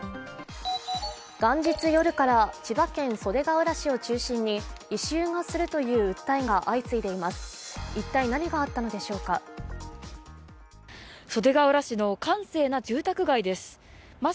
元日夜から千葉県袖ケ浦市を中心に異臭がするという訴えが相次いでいます。